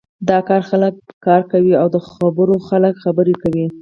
د کار خلک کار کوی او د خبرو خلک خبرې کوی.